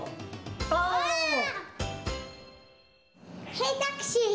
オ！ヘイタクシー！